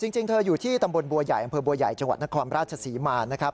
จริงเธออยู่ที่ตำบลบัวใหญ่อำเภอบัวใหญ่จังหวัดนครราชศรีมานะครับ